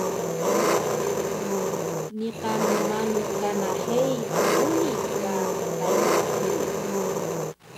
niqan mmaanu kana hei qhuni ga Taywan hini?